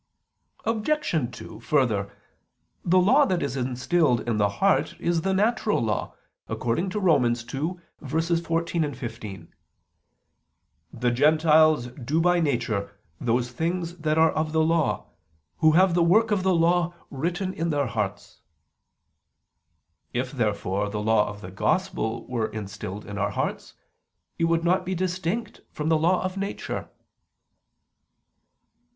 Obj. 2: Further, the law that is instilled in the heart is the natural law, according to Rom. 2:14, 15: "(The Gentiles) do by nature those things that are of the law ... who have [Vulg.: 'show'] the work of the law written in their hearts." If therefore the law of the Gospel were instilled in our hearts, it would not be distinct from the law of nature.